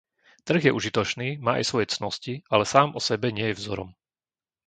Trh je užitočný, má aj svoje cnosti, ale sám osebe nie je vzorom.